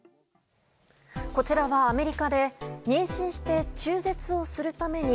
こちらはアメリカで妊娠して中絶をするために